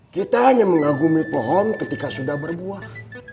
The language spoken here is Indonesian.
kita hanya mengagumi pohon ketika sudah berbuah